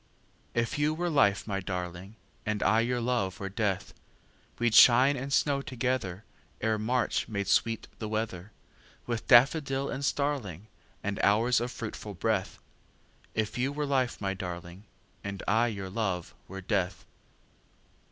If you were life, my darling, And I your love were death, We'd shine and snow togetherEre March made sweet the weatherWith daffodil and starlingAnd hours of fruitful breath; If you were life, my darling, And I your love were death.